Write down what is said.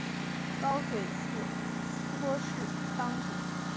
高水寺斯波氏当主。